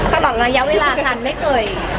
ตลอดระยะเวลาการไม่เคย